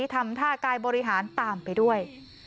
ทำท่ากายบริหารตามไปด้วย